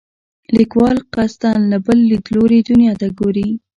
لیکوال قصدا له بل لیدلوري دنیا ته ګوري.